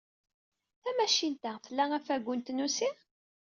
Tamacint-a tla afagu n tnusi?